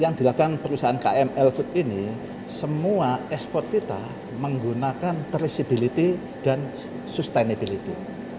yang dilakukan perusahaan kml food ini semua ekspor kita menggunakan traceability dan sustainability